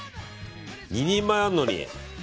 ２人前あるのに。